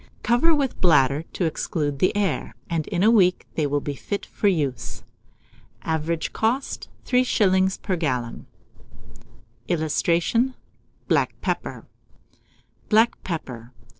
Cover with bladder to exclude the air, and in a week they will be fit for use. Average cost, 3s. per gallon. [Illustration: BLACK PEPPER.] BLACK PEPPER.